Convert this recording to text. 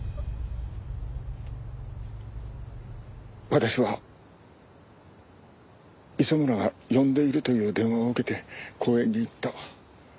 私は磯村が呼んでいるという電話を受けて公園に行った。